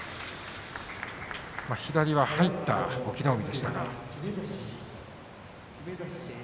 左は入った隠岐の海でした。